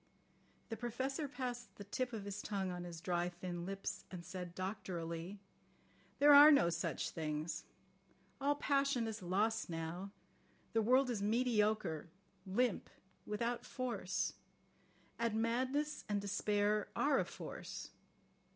The Professor passed the tip of his tongue on his dry, thin lips, and said doctorally: "There are no such things. All passion is lost now. The world is mediocre, limp, without force. And madness and despair are a force.